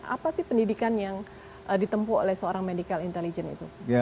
apa sih pendidikan yang ditempu oleh seorang medical intelligence itu